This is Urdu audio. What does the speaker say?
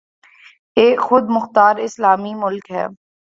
ایک خود مختار اسلامی ملک ہے